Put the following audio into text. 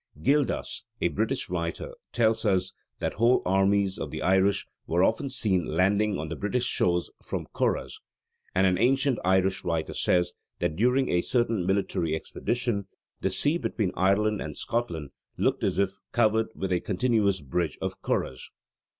Gildas, a British writer, tells us that whole armies of the Irish were often seen landing on the British shores from curraghs; and an ancient Irish writer says that during a certain military expedition the sea between Ireland and Scotland looked as if covered with a continuous bridge of curraghs.